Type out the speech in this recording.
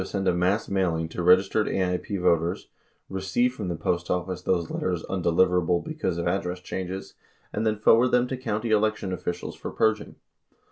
204 send a mass mailing to registered AIP voters, receive from the Post Office those letters undeliverable because of address changes, and then forward them to county election officials for purging.